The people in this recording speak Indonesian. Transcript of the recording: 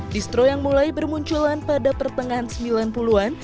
distro yang mulai bermunculan pada pertengahan sembilan puluh an